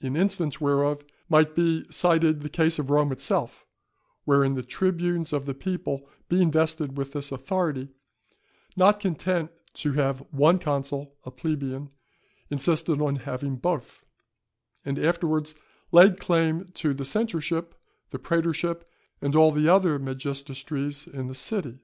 In instance whereof might be cited the case of Rome itself, wherein the tribunes of the people being vested with this authority, not content to have one consul a plebeian, insisted on having both; and afterwards laid claim to the censorship, the prætorship and all the other magistracies in the city.